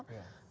itu tidak ada